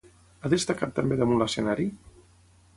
Ha destacat també damunt l'escenari?